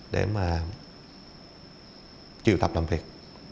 để mà triệu tập làm việc